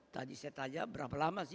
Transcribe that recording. tadi saya tanya berapa lama sih